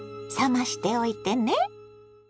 冷ましておいてね。